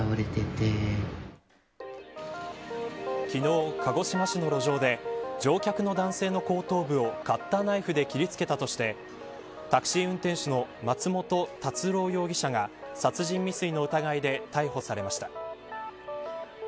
昨日、鹿児島市の路上で乗客の男性の後頭部をカッターナイフで切りつけたとしてタクシー運転手の松元辰郎容疑者が殺人未遂の疑いで逮捕されました。